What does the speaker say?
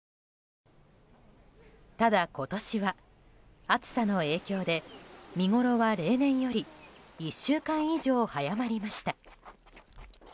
ただ今年は、暑さの影響で見ごろは例年より１週間以上早まりました。